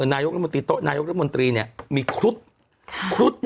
นายกรุธมนตรีเนี่ยมีคุ้ด